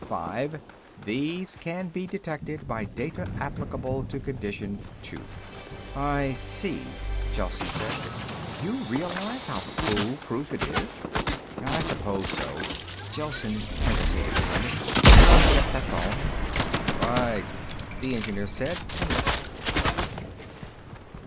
Five, these can be detected by data applicable to condition two." "I see," Gelsen said. "You realize how foolproof it is?" "I suppose so." Gelsen hesitated a moment. "I guess that's all." "Right," the engineer said, and left.